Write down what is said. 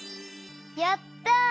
やった！